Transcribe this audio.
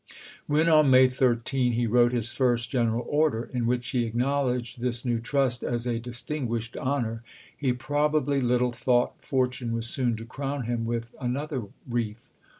When on May 13 he wrote his first gen eral order, in which he acknowledged this new trust as a " distiDguished honor," he probably little thought fortune was soon to crown him with an other wreath.